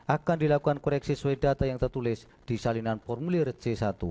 akan dilakukan koreksi sesuai data yang tertulis di salinan formulir c satu